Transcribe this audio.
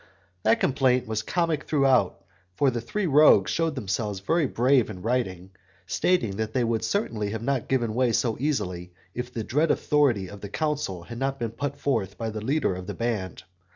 That complaint was comic throughout, for the three rogues shewed themselves very brave in writing, stating that they would certainly not have given way so easily if the dread authority of the council had not been put forth by the leader of the band.